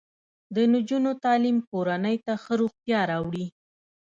د نجونو تعلیم کورنۍ ته ښه روغتیا راوړي.